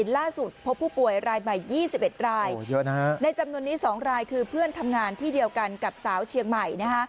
ล่าสุดพบผู้ป่วยรายใหม่๒๑รายในจำนวนนี้๒รายคือเพื่อนทำงานที่เดียวกันกับสาวเชียงใหม่